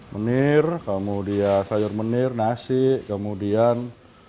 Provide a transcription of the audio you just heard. mendir kemudian sayur mendir nasi kemudian